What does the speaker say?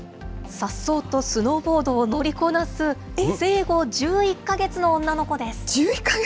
さっそうとスノーボードを乗りこなす、生後１１か月の女の子です。